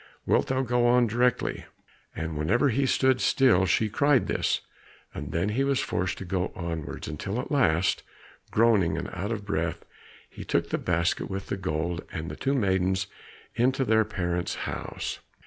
Wilt thou go on directly?" And whenever he stood still, she cried this, and then he was forced to go onwards, until at last, groaning and out of breath, he took the basket with the gold and the two maidens into their parents' house.